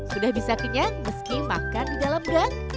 sudah bisa kenyang meski makan di dalam gang